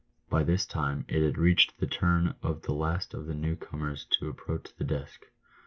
By this time it had reached the turn of the last of the new comers to approach the desk.